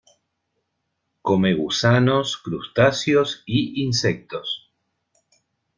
Come gusanos, crustáceos y insectos.